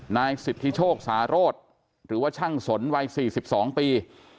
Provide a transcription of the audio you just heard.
นายสิทธิโชคสารโรธหรือว่าช่างสนวัย๔๒ปี